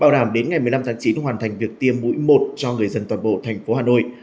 bảo đảm đến ngày một mươi năm tháng chín hoàn thành việc tiêm mũi một cho người dân toàn bộ thành phố hà nội